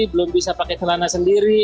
belum bisa pakai celana sendiri